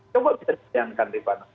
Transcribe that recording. coba kita dipercayakan